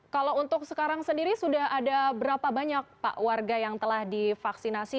kalau untuk sekarang sendiri sudah ada berapa banyak pak warga yang telah divaksinasi